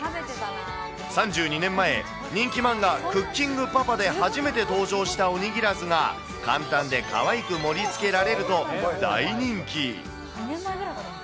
３２年前、人気漫画、クッキングパパで初めて登場したおにぎらずが、簡単でかわいく盛りつけられると、大人気。